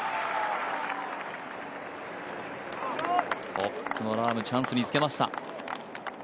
トップのラーム、チャンスにつけました。